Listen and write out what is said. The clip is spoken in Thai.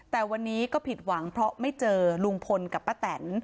แต่วันนี้ก็ผิดหวังเพราะไม่เจอลุงพลกับป้าแตน